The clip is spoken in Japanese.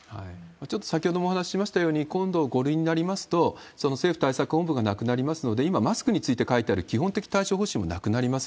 ちょっと先ほどもお話しましたように、今度、５類になりますと、その政府対策本部がなくなりますので、今マスクについて書いてある基本的対処方針もなくなります。